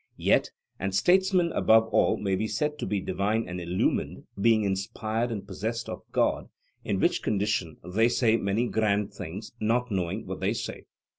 Yes, and statesmen above all may be said to be divine and illumined, being inspired and possessed of God, in which condition they say many grand things, not knowing what they say.